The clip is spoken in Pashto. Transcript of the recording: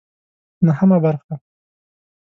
نهمه برخه